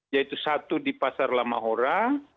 yaitu satu di pasar lamahora